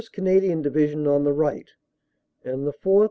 Canadian Division on the right and the 4th.